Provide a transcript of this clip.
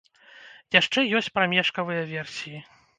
Ёсць яшчэ прамежкавыя версіі.